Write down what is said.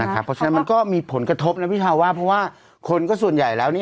เพราะฉะนั้นมันก็มีผลกระทบนะพี่ชาวว่าเพราะว่าคนก็ส่วนใหญ่แล้ว